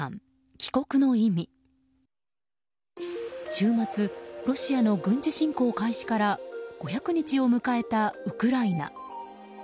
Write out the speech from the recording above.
週末ロシアの軍事侵攻開始から５００日を迎えたウクライナ。